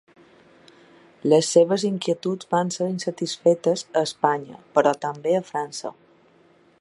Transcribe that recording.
Les seves inquietuds van ser insatisfetes a Espanya, però també a França.